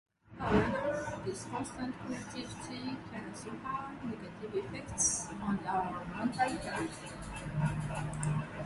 However, this constant connectivity can also have negative effects on our mental health.